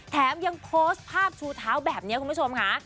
แถมยังโพสต์ภาพชูเท้าแบบนี้คุณผู้ชมค่ะ